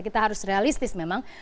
kita harus realistis memang